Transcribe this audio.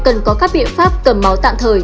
cần có các biện pháp cầm máu tạm thời